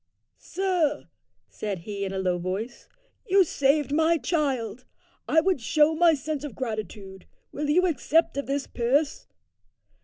"Sir," said he in a low voice, "you saved my child. I would show my sense of gratitude. Will you accept of this purse?"